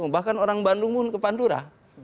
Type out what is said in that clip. bahkan orang bandung pun ke pantura